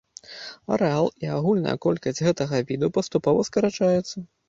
Арэал і агульная колькасць гэтага віду паступова скарачаюцца.